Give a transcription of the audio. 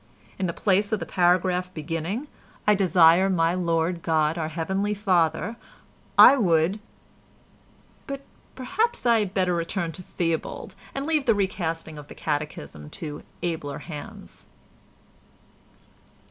In the place of the paragraph beginning "I desire my Lord God our Heavenly Father" I would—but perhaps I had better return to Theobald, and leave the recasting of the Catechism to abler hands.